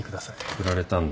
振られたんだ。